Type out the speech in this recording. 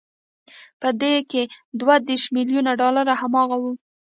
په دې کې دوه دېرش ميليونه ډالر هماغه وو